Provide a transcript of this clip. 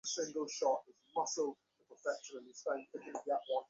বাথরুমের নব ভেজা থাকা কোনো অস্বাভাবিক ব্যাপার নয়।